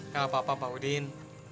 gak apa apa pak udin